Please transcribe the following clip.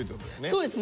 そうです。